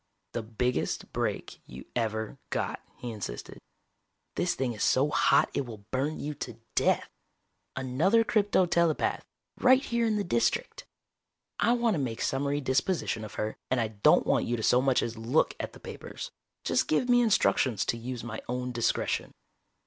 "The biggest break you ever got," he insisted. "This thing is so hot it will burn you to death. Another crypto telepath, right here in the District. I want to make summary disposition of her, and I don't want you to so much as look at the papers. Just give me instructions to use my own discretion."